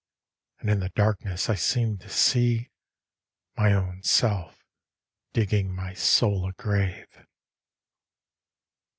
And in the darkness I seemed to see My own self digging my soul a grave.